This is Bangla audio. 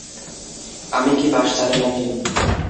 আমি কী বাস চালাই না-কি।